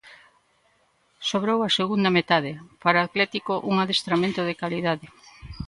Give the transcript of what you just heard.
Sobrou a segunda metade, para o Atlético un adestramento de calidade.